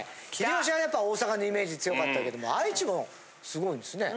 秀吉はやっぱ大阪のイメージ強かったけども愛知もすごいんですね。